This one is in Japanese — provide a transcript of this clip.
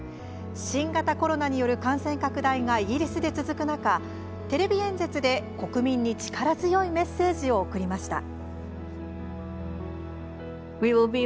新型コロナによる感染拡大がイギリスで続く中テレビ演説で、国民に力強いメッセージを送りました。